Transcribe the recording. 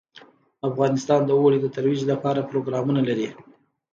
افغانستان د اوړي د ترویج لپاره پروګرامونه لري.